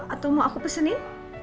atau mau aku pesenin